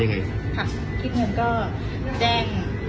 ค่ะคิดเงินก็แจ้ง